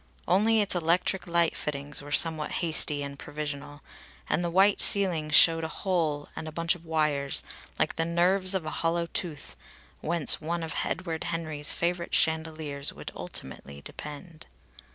Only its electric light fittings were somewhat hasty and provisional, and the white ceiling showed a hole and a bunch of wires, like the nerves of a hollow tooth, whence one of Edward Henry's favourite chandeliers would ultimately depend.